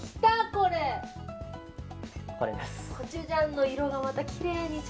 コチュジャンの色がまたきれいに。